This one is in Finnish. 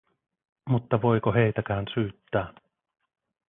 Mutta voiko heitäkään syyttää?